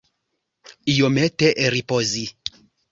Iomete ripozi.